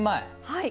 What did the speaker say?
はい。